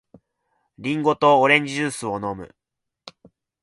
リンゴジュースとオレンジジュースを飲む。